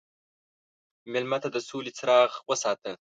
مېلمه ته د سولې څراغ وساته.